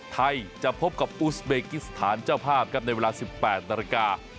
ไทยจะพบกับอูสเบกิสถานเจ้าภาพครับในเวลา๑๘นาฬิกา